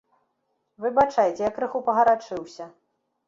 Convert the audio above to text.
Выбачайце, я крыху пагарачыўся.